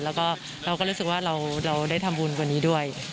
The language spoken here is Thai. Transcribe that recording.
แล้วก็เราก็รู้สึกว่าเราได้ทำบุญวันนี้ด้วย